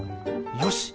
よし！